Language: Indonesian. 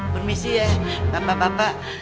permisi ya bapak bapak